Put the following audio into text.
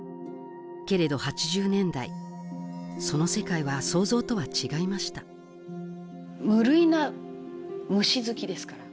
けれど８０年代その世界は想像とは違いました無類な虫好きですから。